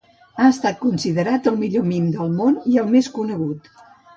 Ha estat considerat el millor mim del món, i el més conegut.